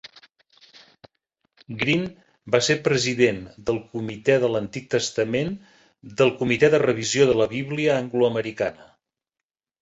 Green va ser president del comitè de l'Antic Testament del comitè de revisió de la Bíblia angloamericana.